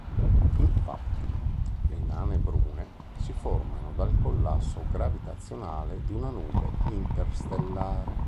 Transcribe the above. Infatti, le nane brune, si formano dal collasso gravitazionale di una nube interstellare.